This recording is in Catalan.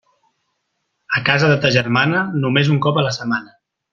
A casa de ta germana, només un cop a la setmana.